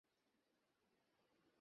তিনি পাঁচ সন্তানের পিতা।